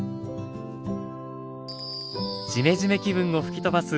ジメジメ気分を吹き飛ばす